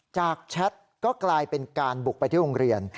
แชทก็กลายเป็นการบุกไปที่โรงเรียน